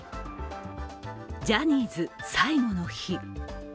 ジャニーズ最後の日。